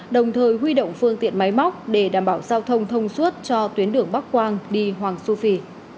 đồng thời huy động phương tiện máy móc để đảm bảo giao thông thông suốt cho tuyến đường bắc quang đi hoàng su phi